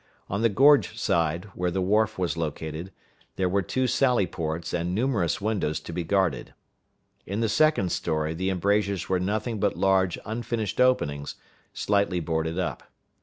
On the gorge side, where the wharf was located, there were two sally ports and numerous windows to be guarded. In the second story the embrasures were nothing but large unfinished openings, slightly boarded up.